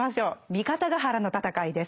三方ヶ原の戦いです。